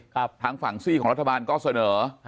ทางฝั่งซี่ของรัฐบาลก็เสนอ